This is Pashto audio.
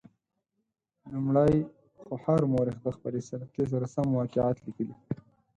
لومړی خو هر مورخ د خپلې سلیقې سره سم واقعات لیکلي.